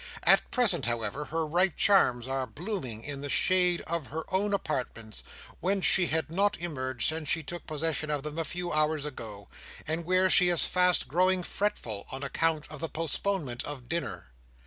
At present, however, her ripe charms are blooming in the shade of her own apartments, whence she had not emerged since she took possession of them a few hours ago, and where she is fast growing fretful, on account of the postponement of dinner.